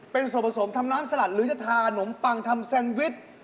เป็นส่วนผสมทำน้ำสลัดหรือจะทานมปังทำแซนวิช